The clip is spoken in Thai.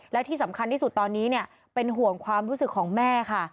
และที่สำคัญที่สุดตอนนี้เป็นห่วงความรู้สึกของแม่ค่ะ